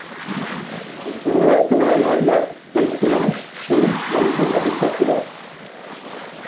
உருவத்தினால் அல்ல பேச்சினால் கிளி நன்கு மதிக்கப்படும்.